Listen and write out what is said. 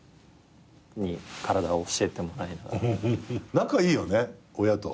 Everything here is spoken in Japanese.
仲いいよね親と。